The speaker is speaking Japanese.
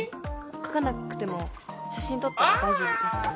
書かなくても写真撮ったら大丈夫ですあ